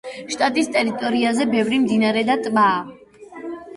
შტატის ტერიტორიაზე ბევრი მდინარე და ტბაა.